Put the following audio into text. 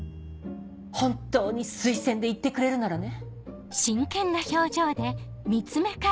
本当に推薦で行ってくれるならね。